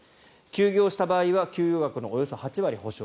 休業した場合は給与額のおよそ８割補償。